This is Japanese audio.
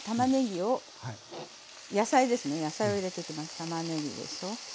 たまねぎでしょ。